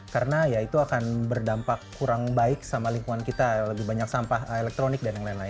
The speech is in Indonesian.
karena ya itu akan berdampak kurang baik sama lingkungan kita lebih banyak sampah elektronik dan lain lain